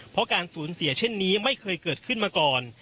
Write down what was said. เพราะการสูญเสียเช่นนี้ไม่เคยเกิดขึ้นมาก่อน